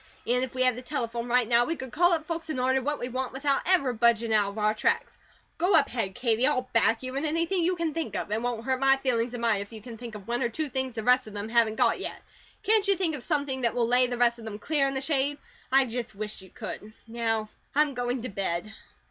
An' if we had the telephone right now, we could call up folks an' order what we want without ever budgin' out of our tracks. Go up ahead, Katie, I'll back you in anything you can think of. It won't hurt my feelings a mite if you can think of one or two things the rest of them haven't got yet. Can't you think of something that will lay the rest of them clear in the shade? I just wish you could. Now, I'm going to bed."